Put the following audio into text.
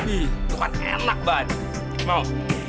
itu kan enak banget mau